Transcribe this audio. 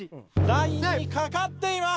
ラインにかかっています！